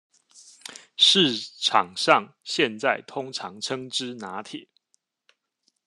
市場上現在通常稱之拿鐵